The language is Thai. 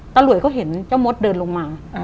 ตำรวจก็เห็นเจ้ามดเดินลงมา